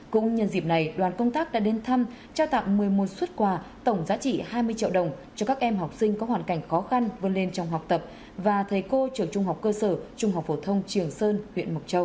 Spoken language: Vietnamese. cũng nhân dịp này đoàn công tác đã đến thăm trao tặng một mươi một xuất quà tổng giá trị hai mươi triệu đồng cho các em học sinh có hoàn cảnh khó khăn vươn lên trong học tập và thầy cô trường trung học cơ sở trung học phổ thông trường sơn huyện mộc châu